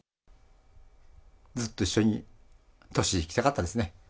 ずっと一緒に年いきたかったですね。